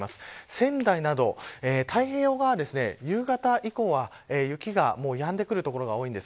仙台など、太平洋側は夕方以降は雪がやんでくる所が多いです。